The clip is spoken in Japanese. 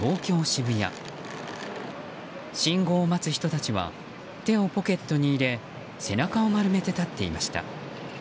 信号を待つ人たちは手をポケットに入れ背中を丸めて立っていました。